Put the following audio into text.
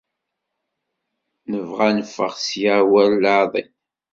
Nebɣa ad neffeɣ ssya war leɛḍil.